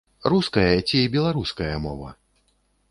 Руская ці беларуская мова?